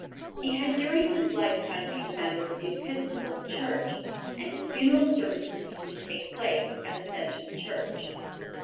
He had during his lifetime been a member of the Episcopal church, and his funeral services were to take place at Ascension Church.